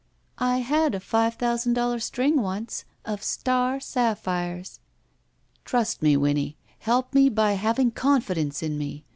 "I had a five thousand doUar string once of star sapphires." Trust me, Winnie. Help me by having confi dence in me.